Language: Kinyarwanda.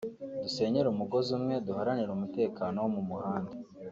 dusenyere umugozi umwe duharanire umutekano wo mu muhanda